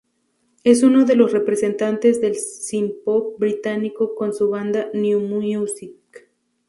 Es uno de los representantes del synthpop británico con su banda New Musik.